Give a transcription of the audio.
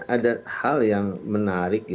ada hal yang menarik